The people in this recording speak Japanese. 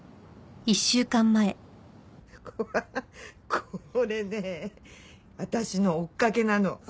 これね私の追っかけなの。